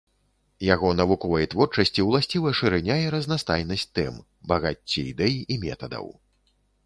Яго навуковай творчасці ўласціва шырыня і разнастайнасць тэм, багацце ідэй і метадаў.